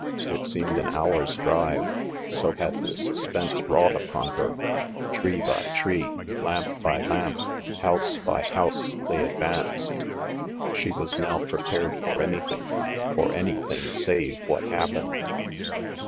It seemed an hour's drive, so had the sus pense wrought upon her, — tree by tree, lamp by lamp, house by house, they advanced. She was now pre pared for anything, — for anything save what hap pened.